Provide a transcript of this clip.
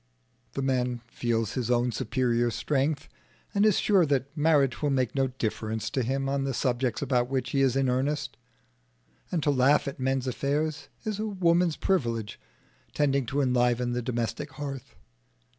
The man feels his own superior strength, and is sure that marriage will make no difference to him on the subjects about which he is in earnest. And to laugh at men's affairs is a woman's privilege, tending to enliven the domestic hearth.